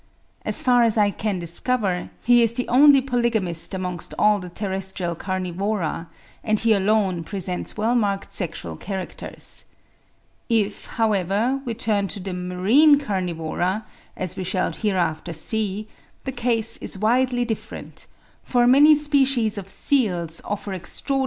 As far as I can discover, he is the only polygamist amongst all the terrestrial Carnivora, and he alone presents well marked sexual characters. If, however, we turn to the marine Carnivora, as we shall hereafter see, the case is widely different; for many species of seals offer extraordinary sexual differences, and they are eminently polygamous.